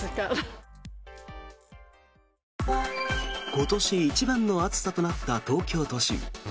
今年一番の暑さとなった東京都心。